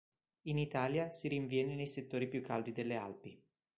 In Italia si rinviene nei settori più caldi delle Alpi.